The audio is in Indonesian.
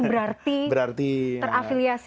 berarti terafiliasi dengan satu orang mas